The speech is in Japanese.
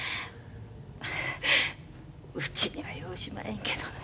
うちにはようしまへんけどな。